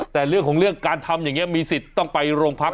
แต่เรื่องของเรื่องการทำอย่างนี้มีสิทธิ์ต้องไปโรงพัก